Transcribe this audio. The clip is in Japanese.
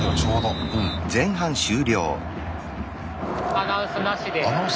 アナウンスなし？